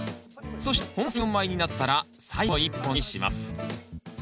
そして本葉３４枚になったら最後の１本にします。